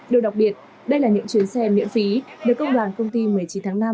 điều đặc biệt đây là những chuyến xe miễn phí được công đoàn công ty một mươi chín tháng năm